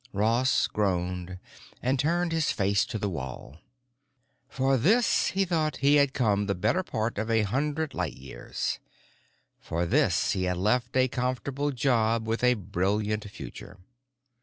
Ross groaned and turned his face to the wall. For this, he thought, he had come the better part of a hundred light years; for this he had left a comfortable job with a brilliant future.